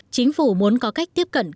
chính phủ muốn có cách tiếp cận cần thiết